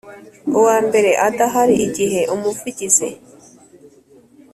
uwambere adahari Igihe umuvugizi